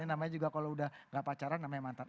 namanya juga kalau udah gak pacaran namanya mantan